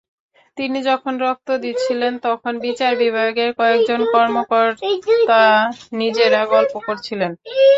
তিনি যখন রক্ত দিচ্ছিলেন, তখন বিচার বিভাগের কয়েকজন কর্মকর্তা নিজেরা গল্প করছিলেন।